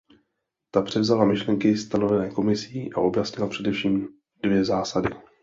Ta převzala myšlenky stanovené Komisí a objasnila především dvě zásady.